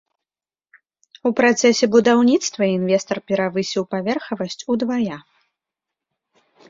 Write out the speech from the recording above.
У працэсе будаўніцтва інвестар перавысіў паверхавасць удвая.